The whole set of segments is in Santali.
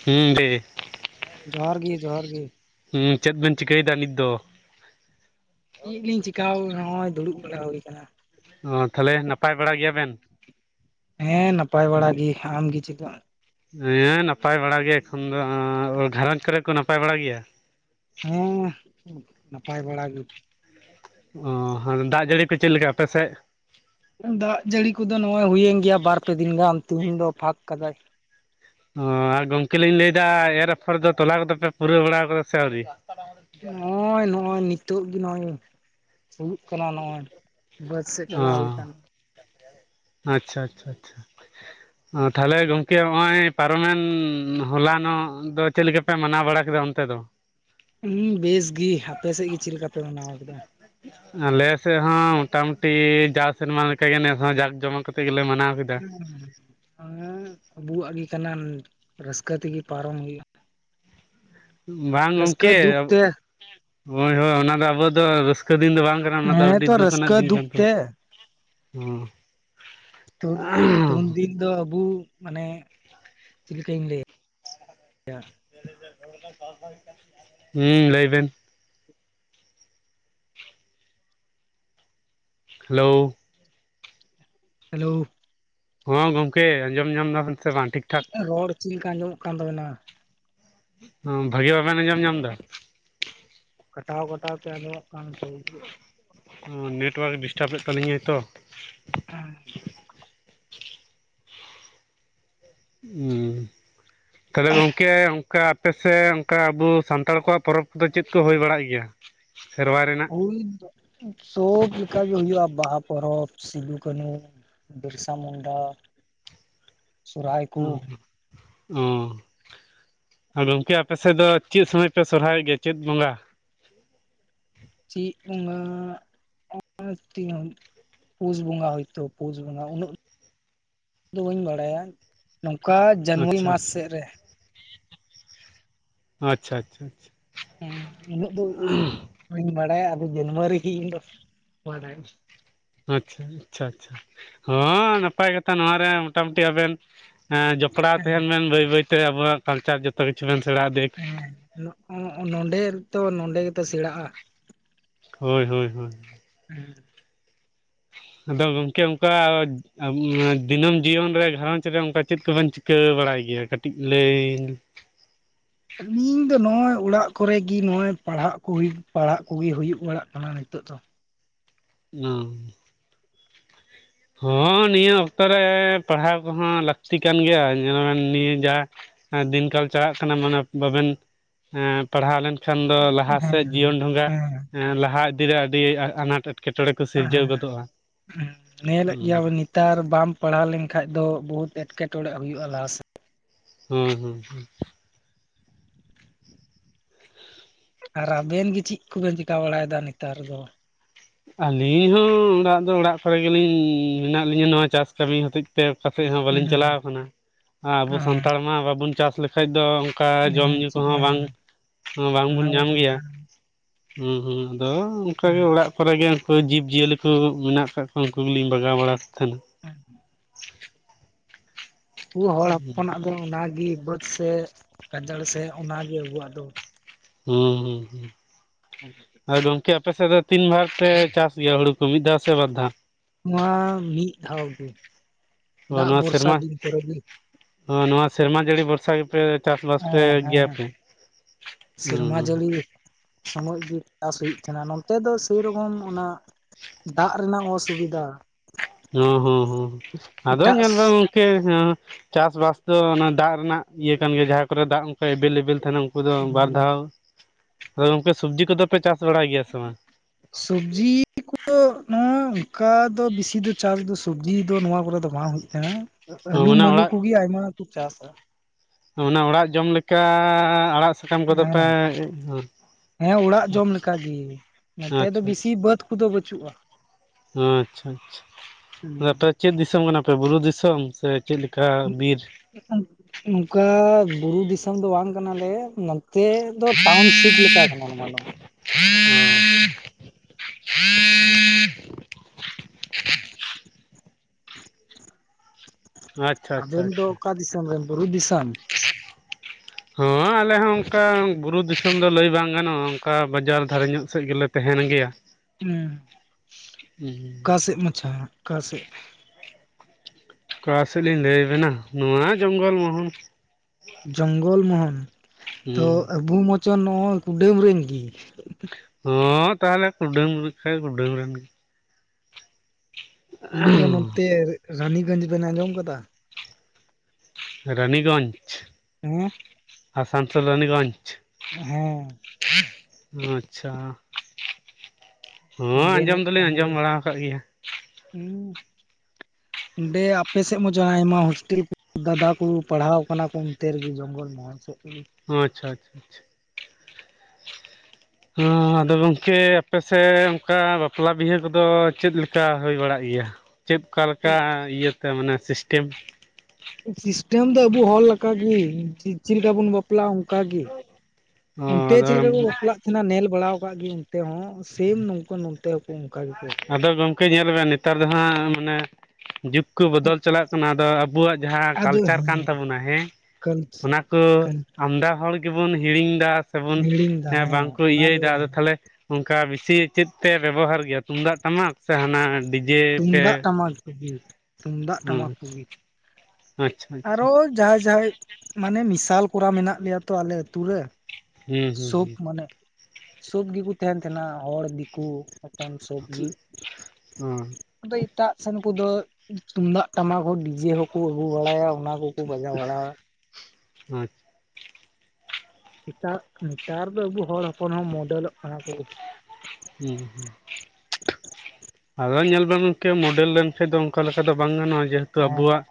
[unintelligible] ᱡᱚᱦᱟᱨ ᱜᱮ ᱡᱚᱦᱟᱨ ᱜᱮ ᱦᱩᱸ ᱪᱮᱫ ᱵᱤᱱ ᱪᱤᱠᱟᱹ ᱭᱮᱫᱟ ᱱᱤᱛ ᱫᱚ ᱪᱤᱫᱞᱤᱧ ᱪᱤᱠᱟᱹᱣ ᱦᱚᱜ-ᱚᱭ ᱫᱩᱲᱩᱵ ᱵᱟᱲᱟ ᱦᱩᱭ ᱠᱟᱱᱟ ᱚᱸ ᱛᱟᱦᱞᱮ ᱱᱟᱯᱟᱭ ᱵᱟᱲᱟ ᱜᱮᱭᱟ ᱵᱮᱱ ᱦᱮᱸ ᱱᱟᱯᱟᱭ ᱵᱟᱲᱟ ᱜᱮ ᱟᱢᱜᱮ ᱪᱮᱫ ᱠᱟ ᱦᱮᱸ ᱱᱟᱯᱟᱭ ᱵᱟᱲᱟ ᱜᱮ ᱮᱠᱷᱚᱱ ᱫᱚ, ᱜᱷᱟᱨᱚᱸᱡᱽ ᱠᱚᱨᱮ ᱠᱚ ᱱᱟᱯᱟᱭ ᱵᱟᱲᱟ ᱜᱮᱭᱟ ᱦᱮᱸ ᱱᱟᱯᱟᱭ ᱵᱟᱲᱟ ᱜᱮ᱾ ᱚᱻ ᱦᱚᱸ ᱫᱟᱜ ᱡᱟᱹᱲᱤ ᱠᱚ ᱪᱮᱫ ᱞᱮᱠᱟ ᱟᱯᱮᱥᱮᱜ ᱫᱟᱜ ᱡᱟᱹᱲᱤ ᱠᱚᱫᱚ ᱱᱚᱜ ᱚᱭ ᱦᱩᱭᱮᱱ ᱜᱮᱭᱟ ᱵᱟᱨ ᱯᱮ ᱫᱤᱱ ᱜᱟᱱ ᱛᱤᱦᱤᱧ ᱫᱚ ᱯᱷᱟᱸᱠ ᱠᱟᱫᱟᱭ ᱚᱸ ᱟᱨ ᱜᱚᱝᱠᱮ ᱞᱤᱧ ᱞᱟᱹᱭᱫᱟ ᱮᱨ ᱟᱯᱷᱚᱨ ᱫᱚ ᱛᱚᱞᱟ ᱠᱚᱫᱚ ᱯᱮ ᱯᱩᱨᱟᱹᱣ ᱵᱟᱲᱟ ᱠᱟᱫᱟ ᱥᱮ ᱟᱹᱣᱨᱤ ᱱᱚᱜᱼᱚᱭ ᱱᱚᱜᱼᱚᱭ ᱱᱤᱛᱳᱜ ᱜᱮ ᱱᱚᱜᱼᱚᱭ ᱦᱩᱭᱩᱜ ᱠᱟᱱᱟ ᱱᱚᱜᱼᱚᱭ ᱵᱟᱹᱫᱽ ᱥᱮᱫ ᱪᱟᱞᱟᱣ ᱦᱩᱭ ᱚᱸ ᱟᱠᱟᱱᱟ ᱟᱪᱪᱷᱟ ᱟᱪᱪᱷᱟ ᱟᱪᱪᱷᱟ [inaudible] ᱚᱸ ᱛᱟᱦᱚᱞᱮ ᱜᱚᱝᱠᱮ ᱱᱚᱜᱼᱚᱭ ᱯᱟᱨᱚᱢᱮᱱ ᱦᱚᱞᱟᱱᱚᱜ ᱫᱚ ᱪᱮᱫ ᱞᱮᱠᱟᱯᱮ ᱢᱟᱱᱟᱣ ᱵᱟᱲᱟ ᱠᱮᱫᱟ ᱚᱱᱛᱮ ᱫᱚ ᱦᱩᱸ ᱵᱮᱥ ᱜᱮ ᱟᱯᱮᱥᱮᱫ ᱜᱮ ᱪᱮᱞ ᱠᱟᱯᱮ ᱢᱟᱱᱟᱣ ᱟᱠᱟᱫᱟ ᱟᱞᱮ ᱥᱮᱫ ᱦᱚᱸ ᱢᱚᱴᱟᱢᱩᱴᱤ ᱡᱟᱣ ᱥᱮᱨᱢᱟ ᱞᱮᱠᱟᱜᱮ ᱱᱮᱥ ᱦᱚᱸ ᱡᱟᱠ ᱡᱚᱢᱚᱠ ᱠᱟᱛᱮ ᱜᱮᱞᱮ ᱢᱟᱱᱟᱣ ᱠᱮᱫᱟ ᱦᱩᱸ ᱦᱮᱸ ᱟᱹᱵᱩᱣᱟᱜ ᱜᱮ ᱠᱟᱱᱟ ᱨᱟᱹᱥᱠᱟᱹ ᱛᱮᱜᱮ ᱯᱟᱨᱚᱢ ᱦᱩᱭᱩᱜᱼᱟ ᱵᱟᱝ ᱨᱟᱹᱥᱠᱟᱹ ᱜᱚᱝᱠᱮ ᱫᱩᱠ ᱛᱮ ᱦᱳᱭ ᱦᱳᱭ ᱚᱱᱟ ᱫᱚ ᱟᱵᱚ ᱫᱚ ᱨᱟᱹᱥᱠᱟᱹ ᱫᱤᱱ ᱫᱚ ᱵᱟᱝ ᱠᱟᱱᱟ ᱚᱱᱟ ᱫᱚ ᱦᱮᱸ ᱟᱹᱰᱤ ᱛᱚ ᱫᱩᱠ ᱨᱮᱱᱟᱜ ᱨᱟᱹᱥᱠᱟᱹ ᱫᱤᱱ ᱫᱩᱠ ᱠᱟᱱ ᱛᱟᱵᱚ, ᱛᱮ ᱦᱩᱸ ᱛᱩᱫ ᱛᱩᱱᱫᱤᱱ ᱫᱚ ᱟᱵᱩ ᱢᱟᱱᱮ ᱪᱤᱞᱠᱟᱹᱧ ᱞᱟᱹᱭᱟ [inaudible] ᱦᱩᱸ ᱞᱟᱹᱭ ᱵᱮᱱ ᱦᱮᱞᱳᱣ ᱦᱮᱞᱳᱣ ᱦᱚᱸ ᱜᱚᱝᱠᱮ ᱟᱸᱡᱚᱢ ᱧᱟᱢ ᱮᱫᱟᱵᱤᱱ ᱥᱮ ᱵᱟᱝ ᱴᱷᱤᱠ ᱴᱷᱟᱠ ᱨᱚᱲ ᱪᱤᱞᱠᱟ ᱟᱸᱡᱚᱢᱚᱜ ᱠᱟᱱ ᱛᱟᱵᱮᱱᱟ ᱵᱷᱟᱜᱤ ᱵᱟᱵᱮᱱ ᱟᱸᱡᱚᱢ ᱧᱟᱢ ᱫᱟ ᱠᱟᱴᱟᱣ ᱠᱟᱴᱟᱣ ᱛᱮ ᱟᱸᱡᱚᱢᱚᱜ ᱠᱟᱱ ᱛᱟᱭ ᱜᱮ ᱱᱮᱴᱳᱣᱟᱨᱠ ᱰᱤᱥᱴᱟᱵᱮᱫ ᱛᱟᱞᱤᱧᱟᱭ ᱛᱚ [unintelligible] ᱦᱩᱸ [inaudible] ᱛᱟᱦᱚᱞᱮ ᱜᱚᱝᱠᱮ ᱚᱝᱠᱟ ᱟᱯᱮ ᱥᱮᱫ ᱚᱝᱠᱟ ᱟᱵᱩ ᱥᱟᱱᱛᱟᱲ ᱠᱚᱣᱟᱜ ᱯᱚᱨᱚᱵᱽ ᱫᱚ ᱪᱮᱫ ᱠᱚ ᱦᱩᱭ ᱵᱟᱲᱟᱜ ᱜᱮᱭᱟ ᱥᱮᱨᱣᱟ ᱨᱮᱱᱟᱜ ᱦᱩᱭ ᱫᱚ ᱥᱚᱵ ᱞᱮᱠᱟᱜᱮ ᱦᱩᱭᱩᱜᱼᱟ ᱵᱟᱦᱟ ᱯᱚᱨᱚᱵᱽ ᱥᱤᱫᱩ ᱠᱟᱹᱱᱩ ᱵᱤᱨᱥᱟ ᱢᱩᱱᱰᱟ ᱥᱚᱨᱦᱟᱭ ᱠᱚ [inaudible] ᱚᱸ ᱟᱫᱚ ᱜᱚᱝᱠᱮ ᱟᱯᱮ ᱥᱮᱫ ᱫᱚ ᱪᱮᱫ ᱥᱚᱢᱚᱭ ᱯᱮ ᱥᱚᱨᱦᱟᱭᱚᱜ ᱜᱮᱭᱟ ᱪᱮᱫ ᱵᱚᱸᱜᱟ ᱪᱤᱜ ᱵᱚᱸᱜᱟ [unintelligible] ᱯᱩᱥ ᱵᱚᱸᱜᱟ ᱦᱳᱭᱛᱳ ᱯᱩᱥ ᱵᱚᱸᱜᱟ ᱩᱱᱟᱹᱜ ᱫᱚ ᱵᱟᱹᱧ ᱵᱟᱰᱟᱭᱟ ᱱᱚᱝᱠᱟ ᱡᱟᱱᱚᱣᱟᱞᱤ ᱟᱪᱪᱷᱟ ᱢᱟᱥ ᱟᱪᱪᱷᱟ ᱥᱮᱜ ᱨᱮ ᱟᱪᱪᱷᱟ ᱟᱪᱪᱷᱟ ᱟᱪᱪᱷᱟ ᱦᱮᱸ ᱩᱱᱟᱹᱜ ᱫᱚ ᱵᱟᱹᱧ ᱵᱟᱲᱟᱭᱟ ᱟᱫᱚ ᱡᱟᱹᱱᱩᱣᱟᱨᱤ ᱤᱧ ᱫᱚ ᱵᱟᱰᱟᱭ ᱟᱪᱪᱷᱟ ᱟᱪᱪᱷᱟ ᱟᱪᱪᱷᱟ ᱦᱚᱸ ᱱᱟᱯᱟᱭ ᱠᱟᱛᱷᱟ ᱱᱚᱣᱟᱨᱮ ᱢᱳᱚᱴᱟᱢᱩᱴᱤ ᱟᱵᱮᱱ ᱦᱮᱸ ᱡᱚᱯᱲᱟᱣ ᱛᱟᱦᱮᱱ ᱵᱮᱱ ᱵᱟᱹᱭ ᱵᱟᱹᱭᱛᱮ ᱟᱵᱚᱣᱟᱜ ᱠᱟᱞᱪᱟᱨ ᱡᱚᱛᱚ ᱠᱤᱪᱷᱩ ᱵᱮᱱ ᱥᱮᱬᱟ ᱤᱫᱤᱭᱟ ᱱᱚᱜ ᱚ ᱱᱚᱸᱰᱮ ᱛᱚ ᱱᱚᱰᱮ ᱜᱮᱛᱚ ᱥᱮᱬᱟᱜᱼᱟ ᱦᱳᱭ ᱦᱳᱭ ᱦᱳᱭ ᱦᱮᱸ ᱟᱫᱚ ᱜᱚᱝᱠᱮ ᱚᱱᱠᱟ ᱟᱢ ᱫᱤᱱᱟᱹᱢ ᱡᱤᱭᱚᱱ ᱨᱮ ᱜᱷᱟᱨᱚᱸᱡᱽ ᱨᱮ ᱚᱱᱠᱟ ᱪᱮᱫ ᱠᱚᱵᱮᱱ ᱪᱤᱠᱟᱹ ᱵᱟᱲᱟᱭ ᱜᱮᱭᱟ ᱠᱟᱹᱴᱤᱡ ᱞᱟᱹᱭ, ᱤᱧ ᱫᱚ ᱱᱚᱜᱼᱚᱭ ᱚᱲᱟᱜ ᱠᱚᱨᱮᱜᱤ ᱱᱚᱜᱼᱚᱭ ᱯᱟᱲᱦᱟᱜ ᱠᱩ ᱦᱩᱤ ᱯᱟᱲᱦᱟᱜ ᱠᱩᱜᱤ ᱦᱩᱭᱩᱜ ᱵᱟᱲᱟᱜ ᱠᱟᱱᱟ ᱱᱤᱛᱚᱜ ᱫᱚ᱾ [unintelligible] ᱦᱚᱸ ᱱᱤᱭᱟᱹ ᱚᱠᱛᱚ ᱨᱮ ᱯᱟᱲᱦᱟᱣ ᱠᱚᱦᱚᱸ ᱞᱟᱹᱠᱛᱤ ᱠᱟᱱ ᱜᱮᱭᱟ ᱧᱮᱞᱟᱢᱮᱱ ᱱᱤᱭᱟᱹ ᱡᱟ ᱮᱸ ᱫᱤᱱ ᱠᱟᱞ ᱪᱟᱞᱟᱜ ᱠᱟᱱᱟ ᱢᱟᱱᱮ ᱵᱟᱵᱮᱱ ᱯᱟᱲᱦᱟᱣ ᱞᱮᱱᱠᱷᱟᱱ ᱫᱚ ᱞᱟᱦᱟ ᱦᱮᱸ ᱥᱮᱫ ᱡᱤᱭᱚᱱ ᱰᱷᱚᱸᱜᱟ ᱦᱮᱸ ᱞᱟᱦᱟ ᱤᱫᱤᱨᱮ ᱟᱹᱰᱤ ᱟᱱᱟᱴ ᱮᱴᱠᱮᱴᱚᱬᱮ ᱠᱚ ᱥᱤᱨᱡᱟᱹᱣ ᱜᱚᱫᱚᱜᱼᱟ᱾ ᱦᱮᱸ ᱧᱮᱞᱮᱫ ᱦᱩᱸ ᱜᱮᱭᱟ ᱱᱮᱛᱟᱨ ᱵᱟᱢ ᱯᱟᱲᱦᱟᱣ ᱞᱮᱱᱠᱷᱟᱡ ᱫᱚ ᱵᱚᱦᱩᱛ ᱮᱴᱠᱮᱴᱚᱬᱮᱜ ᱦᱩᱭᱩᱜᱼᱟ ᱞᱟᱦᱟᱥᱮᱫ᱾ ᱦᱩᱸ ᱦᱩᱸ ᱦᱩᱸ ᱟᱨ ᱟᱵᱮᱱ ᱜᱮ ᱪᱤᱫ ᱠᱩᱵᱮᱱ ᱪᱤᱠᱟᱹ ᱵᱟᱲᱟᱭᱮᱫᱟ ᱱᱮᱛᱟᱨ ᱫᱚ? ᱟᱹᱞᱤᱧ ᱦᱚᱸ ᱚᱲᱟᱜ ᱫᱚ ᱚᱲᱟᱜ ᱠᱚᱨᱮ ᱜᱮᱞᱤᱧ ᱢᱮᱱᱟᱜ ᱞᱤᱧᱟᱹ ᱱᱚᱣᱟ ᱪᱟᱥ ᱠᱟᱹᱢᱤ ᱦᱚᱛᱮᱫ ᱛᱮ ᱚᱠᱟᱥᱮᱫ ᱦᱚᱸ ᱵᱟᱞᱤᱧ ᱪᱟᱞᱟᱣ ᱟᱠᱟᱱᱟ ᱟᱵᱚ ᱥᱟᱱᱛᱟᱲ ᱢᱟ ᱵᱟᱵᱩᱱ ᱪᱟᱥ ᱞᱮᱠᱟᱡ ᱫᱚ, ᱠᱟ ᱡᱚᱢ ᱧᱩ ᱠᱚᱦᱚᱸ ᱵᱟᱝ ᱚᱱᱟ ᱵᱟᱝᱵᱚᱱ ᱧᱟᱢ ᱢᱟᱛᱚ ᱜᱮᱭᱟ᱾ ᱠᱟᱱ ᱦᱩᱸ ᱦᱩᱸ ᱟᱫᱚ ᱚᱱᱠᱟᱜᱮ ᱚᱲᱟᱜ ᱠᱚᱨᱮ ᱜᱮ ᱩᱱᱠᱩ ᱡᱤᱵᱽ ᱡᱤᱭᱟᱹᱞᱤ ᱠᱩ ᱢᱮᱱᱟᱜ ᱟᱠᱟᱫ ᱠᱚᱣᱟ ᱩᱱᱠᱩ ᱜᱮᱞᱤᱧ ᱵᱟᱜᱟᱣ ᱵᱟᱲᱟᱮᱫ ᱠᱚ ᱛᱟᱦᱮᱱᱟ᱾ [unintelligible] ᱠᱩ ᱦᱚᱲ ᱦᱚᱯᱚᱱᱟᱜ ᱫᱚ ᱚᱱᱟᱜᱤ ᱵᱟᱹᱫᱽ ᱥᱮ ᱜᱟᱡᱟᱲ ᱥᱮ ᱚᱱᱟᱜᱮ ᱟᱵᱚᱣᱟᱜ ᱫᱚ᱾ ᱦᱩᱸ ᱦᱩᱸ ᱦᱩᱸ ᱦᱳᱭ ᱜᱚᱝᱠᱮ ᱟᱯᱮ ᱥᱮᱫ ᱨᱮ ᱛᱤᱱᱵᱟᱨ ᱯᱮ ᱪᱟᱥ ᱜᱮᱭᱟ ᱦᱩᱲᱩ ᱠᱚ ᱢᱤᱫ ᱫᱷᱟᱣ ᱥᱮ ᱵᱟᱨ ᱫᱷᱟᱣ? ᱱᱚᱣᱟ ᱢᱤᱫ ᱫᱷᱟᱣ ᱜᱮ ᱚ ᱫᱟᱜ ᱵᱚᱨᱥᱟ ᱥᱮᱨᱢᱟ ᱫᱤᱱ ᱠᱚᱨᱮ ᱜᱤ᱾ ᱱᱚᱣᱟ ᱱᱚᱣᱟ ᱥᱮᱨᱢᱟ ᱡᱟᱹᱲᱤ ᱵᱷᱚᱨᱥᱟ ᱜᱮᱯᱮ ᱪᱟᱥᱵᱟᱥ ᱯᱮ ᱦᱮᱸ ᱦᱮᱸ ᱜᱮᱭᱟᱯᱮ ᱥᱮᱨᱢᱟ ᱚᱸ᱾ ᱡᱟᱹᱲᱤ ᱥᱚᱢᱚᱭ ᱜᱮ ᱪᱟᱥ ᱦᱩᱭᱩᱜ ᱛᱟᱦᱮᱸᱱᱟ ᱱᱚᱱᱛᱮ ᱫᱚ ᱥᱮᱨᱚᱠᱚᱢ ᱚᱱᱟ, ᱫᱟᱜ ᱨᱮᱱᱟᱜ ᱚᱥᱩᱵᱤᱫᱷᱟ᱾ ᱦᱚᱸ ᱦᱚᱸ ᱦᱚᱸ ᱟᱫᱚ ᱮᱴᱟᱜ ᱧᱮᱞᱵᱮᱱ ᱜᱚᱝᱠᱮ ᱦᱸ ᱪᱟᱥ ᱵᱟᱥ ᱫᱚ ᱚᱱᱟ ᱫᱟᱜ ᱨᱮᱱᱟᱜ ᱤᱭᱟᱹ ᱠᱟᱱ ᱜᱮᱭᱟ ᱡᱟᱦᱟᱸ ᱠᱚᱨᱮ ᱫᱟᱜ ᱚᱱᱠᱟ ᱮᱵᱮᱞᱮᱵᱮᱞ ᱛᱟᱦᱮᱱᱟ ᱩᱱᱠᱩ ᱫᱚ ᱵᱟᱨ ᱫᱷᱟᱣ ᱟᱫᱚ ᱜᱚᱝᱠᱮ ᱥᱩᱵᱽᱡᱤ ᱠᱚᱫᱚᱯᱮ ᱪᱟᱥ ᱵᱟᱲᱟᱭ ᱜᱮᱭᱟ ᱥᱮ ᱵᱟᱝ? ᱥᱩᱵᱡᱤ [unintelligible] ᱠᱩ ᱫᱚ ᱱᱚ ᱚᱭ ᱚᱱᱠᱟ ᱫᱚ ᱵᱤᱥᱤ ᱫᱚ ᱪᱟᱥ ᱫᱚ ᱥᱩᱵᱡᱤ ᱫᱚ ᱱᱚᱣᱟ ᱠᱚᱨᱮ ᱫᱚ ᱵᱟᱝ ᱦᱩᱭᱩᱜ ᱛᱟᱦᱮᱸᱱᱟ᱾ ᱟᱹᱞᱩ ᱢᱟᱱᱮ ᱢᱟᱹᱞᱩ ᱚᱲᱟᱜ ᱠᱚᱜᱤ ᱟᱭᱢᱟ ᱠᱚ ᱪᱟᱥᱟ᱾ ᱚᱱᱟ ᱚᱲᱟᱜ ᱡᱚᱢ ᱞᱮᱠᱟᱻ ᱟᱲᱟᱜ ᱥᱟᱠᱟᱢ ᱠᱚᱫᱚ ᱯᱮ ᱦᱮᱸ ᱟᱪᱪᱷᱟ ᱦᱮᱸ ᱚᱲᱟᱜ ᱡᱚᱢ ᱞᱮᱠᱟᱜᱤ, ᱱᱚᱛᱮ ᱫᱚ ᱟᱪᱪᱷᱟ ᱵᱤᱥᱤ ᱵᱟᱹᱫᱽ ᱠᱩᱫᱚ ᱵᱟᱹᱪᱩᱜᱼᱟ᱾ ᱟᱪᱪᱷᱟ ᱟᱪᱪᱷᱟ ᱟᱯᱮ ᱪᱮᱫ ᱫᱤᱥᱚᱢ ᱠᱟᱱᱟ ᱯᱮ ᱵᱩᱨᱩ ᱫᱤᱥᱚᱢ ᱥᱮ ᱪᱮᱫ ᱞᱮᱠᱟ ᱵᱤᱨ ᱱᱚᱝᱠᱟ ᱵᱩᱨᱩ ᱫᱤᱥᱚᱢ ᱫᱚ ᱵᱟᱝ ᱠᱟᱱᱟᱞᱮ, ᱱᱚ ᱛᱮ ᱫᱚ ᱴᱟᱣᱩᱱᱥᱤᱯ ᱞᱮᱠᱟ ᱠᱟᱱᱟ ᱱᱚᱣᱟ ᱫᱚ᱾ ᱟᱪᱪᱷᱟ ᱟᱪᱪᱷᱟ ᱟᱵᱮᱱ ᱫᱚ ᱟᱪᱪᱷᱟ ᱚᱠᱟ ᱫᱤᱥᱚᱢ ᱨᱮᱱ ᱵᱩᱨᱩ ᱫᱤᱥᱚᱢ? ᱦᱚᱸ ᱟᱞᱮ ᱦᱚᱸ ᱚᱱᱠᱟ ᱵᱩᱨᱩ ᱫᱤᱥᱚᱢ ᱫᱚ ᱞᱟᱹᱭ ᱵᱟᱝ ᱜᱟᱱᱚᱜᱼᱟ ᱚᱱᱠᱟ ᱵᱟᱡᱟᱨ ᱫᱷᱟᱨᱮ ᱧᱚᱜ ᱥᱮᱫ ᱜᱮᱞᱮ ᱛᱟᱦᱮᱱ ᱜᱮᱭᱟ᱾ ᱦᱮᱸ ᱠᱟ ᱥᱮᱫ ᱢᱟᱪᱷᱟ ᱠᱟᱥᱮᱫ, ᱚᱠᱟ ᱥᱮᱫ ᱞᱤᱧ ᱞᱟᱹᱭ ᱟᱵᱮᱱᱟ ᱱᱚᱣᱟ ᱡᱚᱝᱜᱚᱞ ᱢᱚᱦᱚᱞ᱾ ᱡᱚᱝᱜᱚᱞ ᱢᱚᱦᱚᱱ ᱛᱚ ᱦᱩᱸ ᱟᱵᱩ ᱢᱚᱪᱚᱱ ᱱᱚᱜᱼᱚᱭ ᱠᱩᱰᱟᱹᱢ ᱨᱮᱱ ᱜᱤ᱾ ᱦᱚᱸ ᱛᱟᱦᱚᱞᱮ ᱠᱩᱰᱟᱹᱢ ᱞᱮᱠᱷᱟᱱ ᱠᱩᱰᱟᱹᱢ ᱨᱮᱱ ᱜᱮ᱾ ᱤᱧ ᱫᱚ ᱱᱚᱛᱮ ᱨᱟᱱᱤᱜᱚᱧᱡᱽ ᱨᱮᱧ ᱟᱸᱡᱚᱢ ᱠᱟᱫᱟ? ᱨᱟᱱᱤᱜᱚᱡᱽ? ᱦᱮᱸ ᱟᱥᱟᱱᱥᱚᱞ ᱨᱟᱱᱤᱜᱚᱧᱡᱽ? ᱦᱮᱸ ᱟᱪᱪᱷᱟ ᱦᱚᱸ ᱟᱸᱡᱚᱢ ᱫᱚᱞᱤᱧ ᱟᱸᱡᱚᱢ ᱵᱟᱲᱟ ᱟᱠᱟᱫ ᱜᱮᱭᱟ᱾ ᱦ ᱚᱸᱰᱮ ᱟᱯᱮ ᱥᱮᱫ ᱢᱟ ᱡᱟ ᱟᱭᱢᱟ ᱦᱳᱥᱴᱮᱞ ᱠᱚ ᱫᱟᱫᱟ ᱠᱩ ᱯᱟᱲᱦᱟᱣ ᱠᱟᱱᱟ ᱠᱚ ᱚᱱᱛᱮ ᱨᱮᱜᱮ ᱡᱚᱝᱜᱚᱞ ᱢᱚᱦᱚᱞ ᱥᱮᱫ ᱨᱮᱜᱤ ᱟᱪᱷᱟ ᱟᱪᱪᱷᱟ ᱟᱪᱷᱟ ᱚᱸ ᱟᱫᱚ ᱜᱚᱝᱠᱮ ᱟᱯᱮᱥᱮᱫ ᱚᱱᱠᱟ ᱵᱟᱯᱞᱟ ᱵᱤᱦᱟᱹ ᱠᱚᱫᱚ ᱪᱮᱫ ᱞᱮᱠᱟ ᱦᱩᱭ ᱵᱟᱲᱟᱜ ᱜᱮᱭᱟ? ᱪᱮᱫᱠᱟ ᱞᱮᱠᱟ ᱤᱭᱟᱹᱛᱮ ᱢᱟᱱᱮ ᱥᱤᱥᱴᱮᱢ? ᱥᱤᱥᱴᱮᱢ ᱫᱚ ᱟᱵᱚ ᱦᱚᱲ ᱞᱮ ᱞᱮᱠᱟᱟᱜᱤ ᱪᱮᱫ ᱞᱮᱠᱟ ᱵᱩᱱ ᱵᱟᱯ ᱵᱟᱯᱞᱟ ᱚᱱᱠᱟᱜ ᱜᱮ ᱚ ᱚᱱᱛᱮ ᱟᱫᱚ ᱪᱮᱫ ᱞᱮᱠᱟ ᱠᱚ ᱵᱟᱯᱞᱟᱜ ᱛᱟᱦᱮᱱᱟ ᱱᱮᱞ ᱵᱟᱲᱟ ᱠᱟᱫ ᱜᱮ ᱚᱱᱛᱮ ᱦᱚᱸ ᱥᱮᱢ ᱱᱚᱝᱠᱟ ᱱᱚᱱᱛᱮ ᱦᱚᱸᱠᱩ ᱚᱱᱠᱟ ᱜᱮᱠᱚ ᱟᱫᱚ ᱜᱚᱝᱠᱮ ᱧᱮᱞ ᱵᱮᱱ ᱱᱮᱛᱟᱨ ᱫᱚ ᱦᱟᱸᱜ ᱢᱟᱱᱮ ᱡᱩᱜᱽ ᱠᱚ ᱵᱚᱫᱚᱞ ᱪᱟᱞᱟᱜ ᱠᱟᱱᱟ ᱟᱫᱚ ᱟᱵᱚᱣᱟᱜ ᱡᱟᱦᱟᱸ ᱠᱟᱞᱪᱟᱨ ᱠᱟᱱ ᱛᱟᱵᱚᱱᱟ ᱦᱮᱸ ᱠᱟᱞᱪ ᱚᱱᱟ ᱠᱚ ᱠᱟᱞᱪ ᱟᱢᱫᱟ ᱦᱚᱲ ᱜᱮᱵᱚᱱ ᱦᱤᱲᱤᱧ ᱮᱫᱟ ᱥᱮᱵᱚᱱ ᱦᱤᱲᱤᱧ ᱫᱟ ᱦᱮᱸ ᱵᱟᱝᱠᱚ ᱚᱱᱟ ᱫᱚ ᱤᱭᱟᱹᱭᱮᱫᱟ ᱟᱫᱚ ᱦᱮᱸ ᱛᱟᱦᱚᱞᱮ ᱚᱱᱠᱟ ᱵᱮᱥᱤ ᱪᱮᱫ ᱯᱮ ᱵᱮᱵᱚᱦᱟᱨ ᱜᱮᱭᱟ ᱛᱩᱢᱫᱟᱜ ᱴᱟᱢᱟᱠ ᱥᱮ ᱦᱟᱱᱟ ᱰᱤ ᱛᱩᱢᱫᱟᱜ ᱴᱟᱢᱟᱠ ᱠᱚᱜᱤ ᱛᱩᱢᱫᱟᱜ ᱴᱟᱢᱟᱠ ᱦᱩᱸ ᱠᱚᱜᱤ ᱟᱪᱪᱷᱟ ᱟᱪᱪᱷᱟ ᱟᱨᱚ ᱡᱟᱦᱟᱸᱭ ᱡᱟᱦᱟᱸᱟᱭ ᱢᱟᱱᱮ ᱢᱮᱤᱥᱟᱞ ᱠᱚᱨ ᱢᱮᱱᱟᱜ ᱞᱮᱭᱟ ᱛᱚ ᱟᱞᱮ ᱟᱛᱚ ᱨᱮ ᱦᱩᱸ ᱦᱩᱸ ᱥᱚᱵ ᱦᱩᱸ ᱢᱟᱱᱮ ᱥᱚᱵ ᱜᱮᱠᱚ ᱛᱟᱦᱮᱱ ᱛᱟᱦᱮᱸᱱᱟ ᱦᱚᱲ ᱫᱤᱠᱩ ᱮᱠᱟᱱ ᱥᱚᱵᱜ ᱜᱮ ᱚ ᱟᱪᱪᱷᱟ ᱟᱫᱚ ᱮᱴᱟᱜ ᱥᱮᱱ ᱠᱚᱫᱚ ᱛᱩᱢᱫᱟᱜ ᱴᱟᱢᱟᱠ ᱦᱚᱸ ᱰᱤᱡᱮ ᱦᱚᱠᱚ ᱟᱹᱜᱩ ᱵᱟᱲᱟᱭᱟ ᱚᱱᱟ ᱠᱚᱠᱚ ᱵᱟᱡᱟᱣ ᱵᱟᱲᱣᱟ ᱟᱪᱪᱷᱟ ᱱᱮᱛᱟᱨ ᱱᱮᱛᱟᱨ ᱫᱚ ᱟᱵᱚ ᱦᱚᱲ ᱦᱚᱯᱚᱱ ᱦᱚᱸ ᱢᱚᱰᱮᱞᱚᱜ ᱠᱟᱱᱟ ᱠᱚ ᱦᱩᱸ ᱦᱩᱸ ᱟᱫᱚ ᱧᱮᱞ ᱵᱟᱝ ᱜᱚᱝᱠᱮ ᱢᱚᱰᱮᱞ ᱞᱮᱱᱠᱟᱱᱡ ᱫᱚ ᱚᱱᱠᱟ ᱞᱮᱠᱟ ᱫᱚ ᱵᱟᱝ ᱜᱟᱱᱚᱜᱼᱟ ᱡᱮᱦᱮᱛᱩ ᱦᱮᱸ ᱟᱵᱚᱣᱟᱜ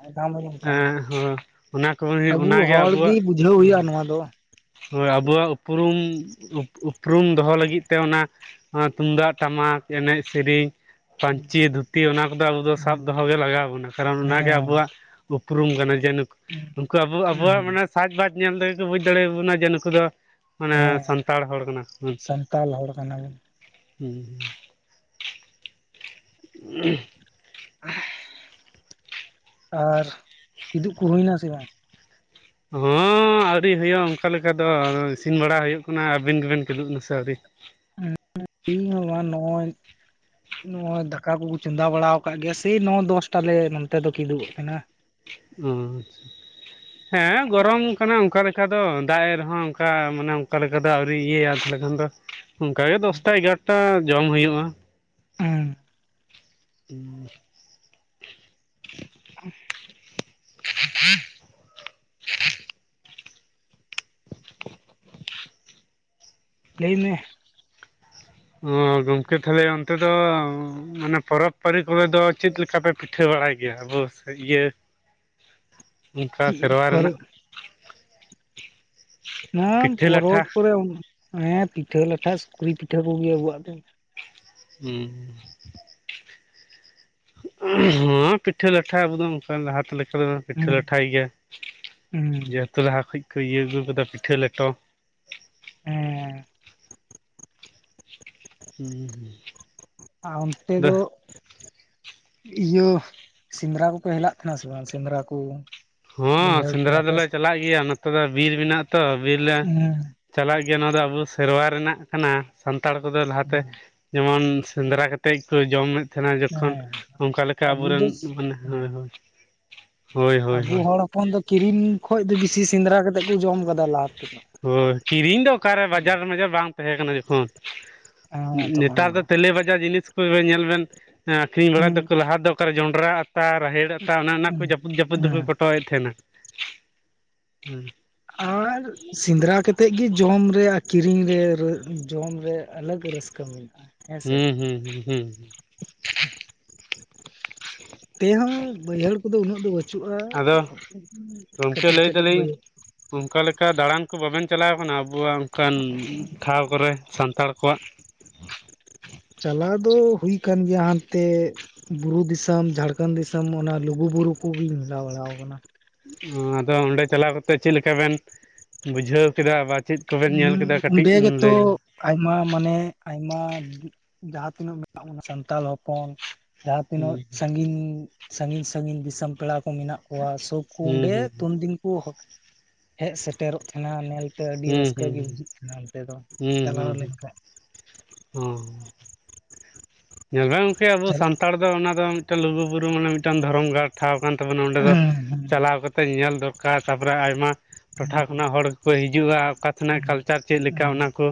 ᱚᱱᱠᱟᱱ ᱮᱸ ᱦ ᱚᱱᱟ ᱠᱚ ᱟᱵᱚ ᱚᱱᱟᱜᱮ ᱦᱚᱲ ᱜᱮ ᱟᱵᱚᱣᱟᱜ ᱵᱩᱡᱷᱟᱹᱣ ᱦᱩᱭᱩᱜᱼᱟ ᱱᱚᱣᱟ ᱫᱚ ᱦᱮᱸ ᱦᱳᱭ ᱟᱵᱚᱣᱟᱜ ᱩᱯᱨᱩᱢ ᱩᱯᱨᱩᱢ ᱫᱚᱦᱚ ᱞᱟᱹᱜᱤᱫ ᱛᱮ ᱚᱱᱟ ᱛᱩᱢᱫᱟᱜ ᱴᱟᱢᱟᱠ ᱮᱱᱮᱡ ᱥᱮᱨᱮᱧ ᱯᱟᱹᱧᱪᱤ ᱫᱷᱩᱛᱤ ᱚᱱᱟ ᱠᱚᱫᱚ ᱟᱵᱚ ᱫᱚ ᱥᱟᱵ ᱫᱚᱦᱚᱜᱮ ᱞᱟᱜᱟᱣ ᱵᱚᱱᱟ ᱠᱟᱨᱚᱱ ᱚᱱᱟᱜᱮ ᱦᱮᱸ ᱟᱵᱚᱣᱟᱜ ᱩᱯᱨᱩᱢ ᱠᱟᱱᱟ ᱡᱮᱱᱩ ᱱᱩᱠᱩ ᱟᱵᱚ ᱟᱵᱚᱣᱟᱜ ᱦᱮᱸ ᱢᱟᱱᱮ ᱥᱟᱡᱽ ᱵᱟᱡᱽ ᱧᱮᱞ ᱛᱮᱜᱮ ᱠᱚ ᱵᱩᱡᱽ ᱫᱟᱲᱮᱭᱟᱵᱚᱱᱟ ᱡᱮ ᱱᱩᱠᱩ ᱫᱚ ᱢᱟᱱᱮ ᱦᱮᱸ ᱥᱟᱱᱛᱟᱲ ᱦᱚᱲ ᱠᱟᱱᱟ ᱥᱟᱱᱛᱟᱞ ᱦᱚᱲ ᱠᱟᱱᱟᱵᱚᱱ [unintelligible] ᱚᱦ ᱟᱨ ᱠᱤᱫᱩᱵ ᱠᱚ ᱦᱩᱭᱱᱟ ᱥᱮ ᱵᱟᱝ ᱦᱚᱸᱮ ᱟᱹᱣᱨᱤ ᱦᱩᱭᱩᱜ ᱚᱱᱠᱟ ᱞᱮᱠᱟ ᱫᱚ ᱤᱥᱤᱱ ᱵᱟᱲᱟ ᱦᱩᱭᱩᱜ ᱠᱟᱱᱟ ᱟᱹᱵᱤᱱ ᱜᱮᱵᱮᱱ ᱠᱷᱩᱞᱩᱜ ᱱᱟᱥᱮ ᱟᱹᱣᱨᱤ ᱟᱹᱞᱤᱧ ᱦᱚᱸ ᱵᱟᱝ ᱱᱚᱜ-ᱚᱭ ᱱᱚᱜᱚᱭ ᱫᱟᱠᱟ ᱠᱚᱠᱚ ᱪᱚᱸᱫᱟ ᱵᱟᱲᱟ ᱟᱠᱟᱫ ᱜᱮᱭᱟ ᱥᱮᱭ ᱱᱚ ᱫᱚᱥᱴᱟᱞᱮ ᱱᱚᱛᱮ ᱫᱚ ᱠᱸᱤᱫᱩᱵᱚᱜ ᱛᱮᱱᱟ ᱚ ᱦᱮᱸ ᱜᱚᱨᱚᱢ ᱠᱟᱱᱟ ᱚᱱᱠᱟ ᱞᱮᱠᱟ ᱫᱚ ᱫᱟᱜ ᱮ ᱨᱮᱦᱚᱸ ᱚᱱᱠᱟ ᱢᱟᱱᱮ ᱚᱱᱠᱟ ᱞᱮᱠᱟ ᱫᱚ ᱟᱹᱣᱨᱤ ᱤᱭᱟᱹᱭᱟ ᱛᱟᱦᱚᱞᱮ ᱠᱷᱟᱱ ᱫᱚ ᱚᱱᱠᱟᱜᱮ ᱫᱚᱥᱴᱟ ᱮᱜᱟᱨᱚᱴᱟ ᱡᱚᱢ ᱦᱩᱭᱩᱜᱼᱟ ᱦᱮᱸ [inaudible] [inaudible] [inaudible] ᱞᱟᱹᱭ ᱢᱮ᱾ ᱚ ᱜᱚᱢᱠᱮ ᱛᱟᱦᱚᱞᱮ ᱚᱱᱛᱮ ᱫᱚ ᱚᱱᱮ ᱯᱚᱨᱚᱵᱽ ᱯᱟᱹᱤ ᱠᱚᱨᱮ ᱫᱚ ᱪᱮᱫ ᱞᱮᱠᱟ ᱯᱮ ᱯᱤᱴᱷᱟᱹ ᱵᱟᱲᱟᱭ ᱜᱮᱭᱟ ᱟᱵᱚ ᱤᱭᱟᱹ ᱚᱱᱠᱟ ᱪᱮᱫ ᱥᱮᱨᱣᱟ ᱯᱚᱨᱚᱵᱽ ᱨᱮᱱᱟᱜ᱾ ᱚᱱᱟ ᱯᱤᱴᱷᱟᱹ ᱞᱟᱴᱷᱟ ᱯᱚᱨᱚᱵᱽ ᱠᱚᱨᱮ ᱦᱮᱸ ᱯᱤᱴᱷᱟᱹ ᱞᱟᱴᱷᱟ ᱥᱩᱠᱨᱤ ᱯᱤᱴᱷᱟᱹ ᱠᱚᱜᱮ ᱟᱵᱚᱣᱟᱜ ᱫᱚ᱾ ᱦᱮᱸ ᱦᱮ ᱯᱤᱴᱷᱟᱹ ᱞᱟᱴᱷᱟ ᱟᱵᱚ ᱫᱚ ᱚᱱᱠᱟ ᱞᱟᱦᱟᱛᱮ ᱞᱮᱠᱟᱮᱫ ᱯᱤᱴᱷᱟᱹ ᱦᱩᱸ ᱞᱟᱴᱷᱟᱭ ᱜᱮᱭᱟ᱾ ᱦᱩᱸ ᱡᱮᱦᱮᱛᱩ ᱞᱟᱦᱟ ᱠᱷᱚᱱ ᱠᱚ ᱤᱭᱟᱹ ᱟᱹᱜᱩ ᱠᱟᱫᱟ ᱯᱤᱴᱷᱟᱹ ᱞᱮᱴᱚ ᱦᱮᱸ ᱦᱩᱸ ᱦᱩᱸ ᱟᱱᱛᱮ ᱫᱚ ᱤᱭᱟᱹ ᱥᱮᱸᱫᱽᱨᱟ ᱠᱚᱠᱚ ᱦᱮᱞᱟᱜ ᱛᱟᱦᱮᱱᱟ ᱥᱮ ᱵᱟᱝ ᱥᱮᱸᱫᱽᱨᱟ ᱠᱚ᱾ ᱦᱚᱸ ᱵᱟᱹᱭᱦᱟᱹᱲ ᱠᱚ ᱥᱮᱸᱫᱽᱨᱟ ᱟᱯᱮ ᱫᱚᱞᱮ ᱥᱮᱫ? ᱪᱟᱞᱟᱜ ᱜᱮᱭᱟ ᱱᱚᱛᱮ ᱫᱚ ᱵᱤᱨ ᱢᱮᱱᱟᱜ ᱟ ᱛᱚ ᱵᱤᱨ ᱞᱮᱼᱼ ᱦᱮᱸ ᱪᱟᱞᱟᱜ ᱜᱮᱭᱟ ᱱᱚᱣᱟ ᱫᱚ ᱟᱵᱚ ᱥᱮᱨᱣᱟ ᱨᱮᱱᱟᱜ ᱠᱟᱱᱟ ᱥᱟᱱᱛᱟᱲ ᱠᱚᱫᱚ ᱞᱟᱦᱟᱛᱮ ᱡᱮᱢᱚᱱ ᱥᱮᱸᱫᱽᱨᱟ ᱠᱟᱛᱮᱫ ᱠᱚ ᱡᱚᱢᱮᱫ ᱛᱟᱦᱮᱱᱟ ᱡᱚᱠᱷᱚᱱ ᱦᱮᱸ ᱚᱱᱠᱟ ᱞᱮᱠᱟ ᱟᱵᱚ ᱟᱵᱚᱨᱮᱱ ᱫᱚ ᱢᱟᱱᱮ ᱦᱳᱭ ᱦᱳᱭ ᱦᱳᱭ ᱦᱳᱭ ᱟᱵᱩ ᱦᱳᱭ ᱦᱚᱲ ᱦᱚᱯᱚᱱ ᱫᱚ ᱠᱤᱨᱤᱧ ᱠᱷᱚᱡ ᱫᱚ ᱵᱮᱥᱤ ᱥᱮᱸᱫᱽᱨᱟ ᱠᱟᱛᱮᱫ ᱠᱚ ᱡᱚᱢ ᱟᱠᱟᱫᱟ ᱞᱟᱦᱟ, ᱛᱮᱫᱚ ᱦᱳᱭ ᱠᱤᱨᱤᱧ ᱫᱚ ᱚᱠᱟᱨᱮ ᱵᱟᱡᱟᱨ ᱢᱟᱡᱟᱨ ᱵᱟᱝ ᱛᱟᱦᱮᱸ ᱠᱟᱱᱟ ᱡᱚᱠᱷᱚᱱ, ᱦᱮᱸ ᱛᱚᱠᱷᱚᱱ ᱱᱮᱛᱟᱨ ᱫᱚ ᱛᱮᱞᱮ ᱵᱟᱡᱟᱨ ᱡᱤᱱᱤᱥ ᱠᱚ ᱧᱮᱞ ᱵᱮᱱ ᱟᱹᱠᱷᱨᱤᱧ ᱵᱟᱲᱟᱭ ᱦᱩᱸ ᱛᱟᱠᱚ ᱞᱟᱦᱟ ᱫᱚ ᱚᱠᱟᱨᱮ ᱡᱚᱸᱰᱨᱟ ᱟᱛᱟ ᱨᱟᱦᱮᱲ ᱚᱱᱟ ᱠᱚ ᱦᱩᱸ ᱡᱟᱹᱯᱩᱫ ᱡᱟᱹᱯᱩᱫ ᱫᱚᱠᱚ ᱦᱮᱸ ᱠᱚᱴᱚᱭᱮᱫ ᱛᱟᱦᱮᱱᱟ ᱦᱮ ᱟᱨ ᱥᱮᱸᱫᱽᱨᱟ ᱠᱟᱛᱮᱜ ᱜᱤ ᱡᱚᱢ ᱨᱮ ᱟᱠ ᱠᱤᱨᱤᱧ ᱨᱮ ᱡᱚᱢ ᱨᱮ ᱟᱞᱟᱜᱽ ᱨᱟᱹᱥᱠᱟᱹ ᱢᱮᱱᱟᱜᱼᱟ᱾ ᱦᱮᱸᱥᱮ ᱦᱩᱸ ᱦᱩᱸ ᱦᱩᱸ ᱦᱩᱸ ᱛᱮᱦᱚᱸ ᱵᱟᱹᱭᱦᱟᱹᱲ ᱠᱚᱫᱚ ᱩᱱᱟᱹᱜ ᱫᱚ ᱵᱟᱹ ᱪᱩᱜᱼᱟ ᱟᱫᱚ ᱜᱚᱢᱠᱮ ᱠᱟᱹᱴᱤᱡ ᱞᱟᱹᱭ ᱠᱟᱹᱴᱤᱡ ᱫᱟᱞᱤᱧ ᱵᱟᱹᱭᱟᱹᱲ ᱚᱱᱠᱟ ᱞᱮᱠᱟ ᱫᱟᱲᱟᱱ ᱠᱚ ᱵᱟᱵᱮᱱ ᱪᱟᱞᱟᱣ ᱠᱟᱱᱟ ᱟᱵᱚᱣᱟᱜ ᱚᱱᱠᱟᱱ ᱴᱷᱟᱶ ᱠᱚᱨᱮ ᱥᱟᱱᱛᱟᱲ ᱠᱚᱣᱟᱜ? [inaudible] ᱪᱟᱞᱟᱣ ᱫᱚ ᱦᱳᱭ ᱟᱠᱟᱱ ᱜᱮᱭᱟ ᱦᱟᱱᱛᱮ ᱵᱩᱨᱩ ᱫᱤᱥᱚᱢ ᱡᱷᱟᱲᱠᱷᱚᱱᱰ ᱫᱤᱥᱚᱢ ᱚᱱᱟ ᱞᱩᱜᱩ ᱵᱩᱨᱩ ᱠᱚᱜᱤᱧ ᱡᱮᱞᱟᱣ ᱵᱟᱲᱟ ᱟᱠᱟᱱᱟ᱾ ᱚᱸ ᱟᱫᱚ ᱚᱸᱰᱮ ᱪᱟᱞᱟᱣ ᱠᱟᱛᱮ ᱪᱮᱫ ᱞᱮᱠᱟ ᱵᱮᱱ ᱵᱩᱡᱷᱟᱹᱣ ᱠᱮᱫᱟ ᱵᱟ ᱪᱮᱫ ᱠᱚᱵᱮᱱ ᱧᱮᱞ ᱠᱮᱫᱟ ᱦᱩᱸ ᱠᱟᱹᱴᱤᱡ ᱚᱸᱰᱮ ᱞᱟᱹᱭᱟ᱾ ᱜᱮᱛᱚ ᱟᱭᱢᱟ ᱢᱟᱱᱮ ᱟᱭᱢᱟ ᱡᱟᱦᱟᱸ ᱛᱤᱱᱟᱹᱜ ᱢᱮᱱᱟᱜ ᱵᱚᱱᱟ ᱥᱟᱱᱛᱟᱲ ᱦᱚᱯᱚᱱ, ᱡᱟᱦᱟᱸ ᱛᱤᱱᱟᱹᱜ ᱥᱟᱜᱤᱧ ᱥᱟᱹᱜᱤᱧ ᱥᱟᱹᱜᱤᱧ ᱫᱤᱥᱚᱢ ᱯᱮᱲᱟ ᱠᱚ ᱢᱮᱱᱟᱜ ᱠᱚᱣᱟ ᱥᱩᱠ ᱠᱚ ᱦᱩᱸ ᱚᱸᱰᱮ ᱦᱩᱸ ᱛᱩᱱᱫᱤᱱ ᱠᱚ ᱦᱮᱡ ᱥᱮᱴᱮᱨᱚᱜ ᱛᱟᱦᱮᱸᱱᱟ ᱧᱮᱞᱛᱮ ᱟᱹᱰᱤ ᱦᱩᱸ ᱨᱟᱹᱥ ᱦᱩᱸ ᱠᱟᱹ ᱜᱮ ᱦᱩᱸ ᱵᱩᱡᱷᱟᱹᱜ ᱠᱟᱱᱟ ᱚᱱᱛᱮ ᱫᱚ ᱪᱟᱞᱟᱣ ᱞᱮᱱᱠᱷᱟᱱ᱾ ᱦᱮᱸ ᱧᱮᱞ ᱵᱮᱱ ᱜᱚᱝᱠᱮ ᱟᱵᱚ ᱪᱟᱞᱟᱜ ᱥᱟᱱᱛᱟᱲ ᱫᱚ ᱚᱱᱟ ᱫᱚ ᱢᱤᱫᱴᱟᱝ ᱞᱩᱜᱩᱵᱩᱨᱩ ᱢᱟᱱᱮ ᱢᱤᱫᱴᱟᱝ ᱫᱷᱚᱨᱚᱢ ᱜᱷᱟᱲ ᱴᱷᱟᱶ ᱠᱟᱱ ᱛᱟᱵᱚᱱᱟ ᱚᱸᱰᱮ ᱫᱚ ᱪᱟᱞᱟᱣ ᱠᱟᱛᱮ ᱧᱮᱞ ᱫᱚᱨᱠᱟᱨ, ᱛᱟᱨᱯᱚᱨᱮ ᱟᱭᱢᱟ ᱴᱚᱴᱷᱟ ᱠᱷᱚᱱᱟᱜ ᱦᱚᱲᱠᱚ ᱦᱤᱡᱩᱜᱼᱟ ᱚᱠᱟ ᱥᱮᱱᱟᱜ ᱠᱟᱞᱪᱟᱨ ᱪᱮᱫ ᱞᱮᱠᱟ ᱚᱱᱟ ᱠᱚ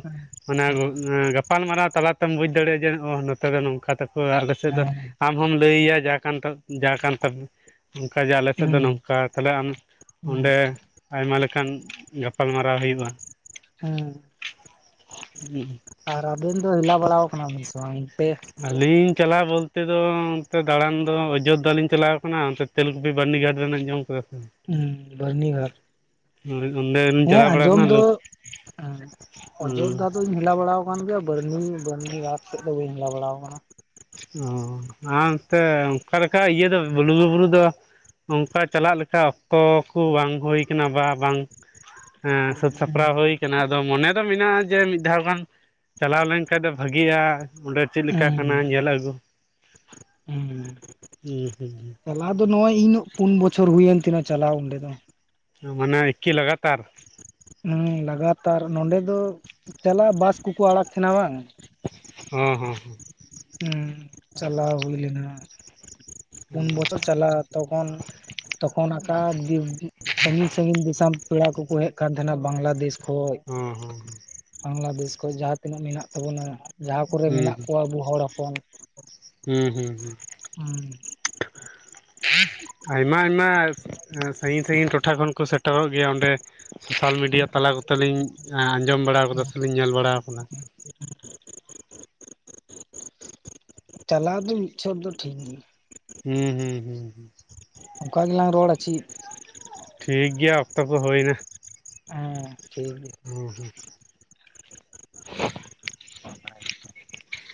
ᱚᱱᱟ ᱜᱟᱯᱟᱞᱢᱟᱨᱟᱣ ᱛᱟᱞᱟᱛᱮᱢ ᱵᱩᱡ ᱫᱟᱲᱮᱭᱟᱜᱼᱟ ᱡᱮ ᱱᱚᱛᱮ ᱫᱚ ᱱᱚᱝᱠᱟ ᱛᱟᱠᱚ ᱟᱞᱮ ᱥᱮᱫ ᱫᱚ ᱟᱢ ᱟᱢ ᱞᱟᱹᱭᱟ ᱡᱟᱦᱟᱸ ᱠᱟᱱ ᱡᱟ ᱠᱟᱱ ᱛᱟᱯᱮ ᱚᱱᱠᱟᱜᱮ ᱟᱞᱮ ᱥᱮᱫ ᱫᱚ ᱱᱚᱝᱠᱟ ᱛᱟᱦᱚᱞᱮ ᱟᱢ ᱚᱸᱰᱮ ᱟᱭᱢᱟ ᱞᱮᱠᱟᱱ ᱜᱟᱯᱟᱞᱢᱟᱨᱟᱣ ᱦᱩᱭᱩᱜᱼᱟ ᱦᱮᱸ ᱟᱨ ᱟᱵᱤᱱ ᱫᱚ ᱦᱮᱞᱟ ᱵᱟᱲᱟ ᱠᱟᱱᱟᱵᱤᱱ ᱥᱮ ᱵᱟᱝ ᱚᱱᱛᱮ? ᱟᱹᱞᱤᱧ ᱪᱟᱞᱟᱣ ᱵᱚᱞᱛᱮ ᱫᱚ ᱚᱱᱛᱮ ᱫᱟᱲᱟᱱ ᱫᱚ ᱚᱡᱳᱫᱽᱫᱷᱟ ᱞᱤᱧ ᱪᱟᱞᱟᱣ ᱟᱠᱟᱱᱟ ᱚᱱᱛᱮ ᱛᱮᱞᱠᱩᱯᱤ ᱵᱟᱹᱨᱱᱤ ᱜᱷᱟᱴ ᱨᱮᱱᱟᱜᱧ ᱟᱡᱚᱢ ᱠᱟᱫᱟ? ᱦᱮᱸ ᱵᱟᱹᱨᱱᱤ ᱜᱷᱟᱴ ᱚᱸᱰᱮ ᱞᱤᱧ ᱦᱮᱸ ᱪᱟᱞᱟᱣ ᱵᱟᱲᱟ ᱟᱸᱡᱚᱢ ᱟᱠᱟᱱᱟ ᱫᱚ ᱞᱟᱹᱣ ᱦᱮᱸ ᱚᱡᱳᱫᱽᱫᱷᱟ ᱚ ᱫᱚᱧ ᱦᱮᱞᱟ ᱵᱟᱲᱟ ᱠᱟᱱ ᱜᱮᱭᱟ ᱵᱟᱨᱱᱤ ᱜᱷᱟᱴ ᱥᱮᱫ ᱫᱚ ᱵᱟᱹᱧ ᱦᱮᱞᱟ ᱵᱟᱲᱟ ᱟᱠᱟᱱᱟ᱾ ᱚ ᱟᱱᱛᱮ ᱚᱱᱠᱟ ᱞᱮᱠᱟ ᱤᱭᱟᱹ ᱫᱚ ᱵᱞᱩ ᱵᱵᱩᱨᱩ ᱫᱚ ᱚᱱᱠᱟ ᱪᱟᱞᱟᱜ ᱞᱮᱠᱟ ᱚᱠᱛᱚ ᱠᱚ ᱵᱟᱝ ᱦᱳᱭ ᱠᱟᱱᱟ ᱵᱟ ᱵᱟᱝ ᱥᱟᱹᱛ ᱥᱟᱯ ᱥᱟᱯᱨᱟᱣ ᱦᱳᱭ ᱠᱟᱱᱟ ᱟᱫᱚ ᱢᱚᱱᱮ ᱫᱚ ᱢᱮᱱᱟᱜᱼᱟ ᱡᱮ ᱢᱤᱫ ᱫᱷᱟᱣ ᱜᱟᱱ ᱪᱟᱞᱟᱣ ᱞᱮᱱᱠᱷᱟᱱ ᱫᱚ ᱵᱷᱟᱹᱜᱤᱜᱼᱟ ᱚᱸᱰᱮ ᱪᱮᱫ ᱞᱮᱠᱟ ᱦᱩᱸ ᱠᱟᱱᱟ ᱧᱮᱞ ᱟᱹᱜᱩ ᱦᱩᱸ ᱦᱩᱸ ᱟᱫᱚ ᱱᱚᱜᱚᱭ ᱤᱱᱟᱹᱜ ᱯᱩᱱ ᱵᱚᱪᱷᱚᱨ ᱦᱩᱭᱮᱱ ᱛᱤᱱᱟ ᱪᱟᱞᱟᱣ ᱚᱸᱰᱮ ᱫᱚ ᱢᱟᱱᱮ ᱮᱠᱤ ᱞᱟᱜᱟᱛᱟᱨ ᱦᱮᱸ ᱞᱟᱜᱟᱛᱟᱨ ᱱᱚᱸᱰᱮ ᱫᱚ ᱪᱟᱞᱟᱜ ᱵᱟᱥ ᱠᱚᱠᱚ ᱟᱲᱟᱜ ᱛᱟᱦᱮᱸᱱᱟ ᱵᱟᱝ ᱦᱚᱸ ᱦᱚᱸ ᱦᱚᱸ ᱦᱩᱸ ᱪᱟᱞᱟᱣ ᱦᱩᱭ ᱞᱮᱱᱟ ᱯᱩᱱ ᱵᱚᱪᱷᱚᱨ ᱪᱟᱞᱟᱣ ᱛᱚᱠᱷᱚᱱ ᱛᱚᱠᱷᱚᱱ ᱟᱠᱟ ᱥᱟᱺᱜᱤᱧ ᱥᱟᱺᱜᱤᱧ ᱫᱤᱥᱚᱢ ᱯᱮᱲᱟ ᱠᱚᱠᱚ ᱦᱮᱡ ᱠᱟᱱ ᱛᱟᱦᱮᱸᱱᱟ ᱵᱟᱝᱞᱟᱫᱮᱥ ᱠᱷᱚᱡ ᱦᱚᱸ ᱦᱚᱸ ᱵᱟᱝᱞᱟᱫᱮᱥ ᱠᱷᱚᱡ ᱡᱟᱦᱟᱸ ᱛᱤᱱᱟᱹᱜ ᱢᱮᱱᱟᱜ ᱛᱟᱵᱚᱱᱟ ᱡᱟᱦᱟᱸ ᱠᱚᱨᱮ ᱦᱚᱸ ᱢᱮᱱᱟᱜ ᱦᱩᱸ ᱠᱚᱣᱟ ᱟᱵᱚ ᱦᱚᱲ ᱦᱚᱯᱚᱱ ᱦᱩᱸ ᱦᱩᱸ ᱦᱩᱸ [inaudible] ᱟᱭᱢᱟ ᱟᱭᱢᱟ ᱥᱟᱸᱜᱤᱧ ᱥᱟᱸᱜᱤᱧ ᱴᱚᱴᱷᱟ ᱠᱷᱚᱱ ᱠᱚ ᱥᱮᱴᱮᱨᱚᱜ ᱜᱮᱭᱟ ᱚᱸᱰᱮ ᱥᱳᱥᱟᱞ ᱦᱩᱸ ᱢᱤᱰᱤᱭᱟ ᱛᱟᱞᱟ ᱠᱚᱛᱮᱞᱤᱧ ᱟᱸᱡᱚᱢ ᱵᱟᱲᱟ ᱠᱟᱫᱟ ᱥᱮᱞᱤᱧ ᱧᱮᱞ ᱵᱟᱲᱟ ᱠᱟᱫᱟ [inaudible] ᱪᱟᱞᱟᱣ ᱫᱚ ᱢᱤᱫ ᱪᱷᱚᱴ ᱫᱚ ᱴᱷᱤᱠ ᱜᱮᱭᱟ ᱦᱩᱸ ᱦᱩᱸ ᱦᱩᱸ ᱚᱱᱠᱟ ᱜᱮᱞᱟᱝ ᱨᱚᱲᱟ ᱪᱤᱫ ᱴᱷᱤᱠ ᱜᱮᱭᱟ ᱚᱠᱛᱚ ᱠᱚ ᱦᱳᱭᱱᱟ ᱦᱮᱸ ᱴᱷᱤᱠ ᱜᱮᱭᱟ ᱦᱮᱸ ᱦᱮᱸ [inaudible]